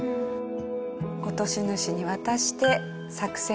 落とし主に渡して作戦終了。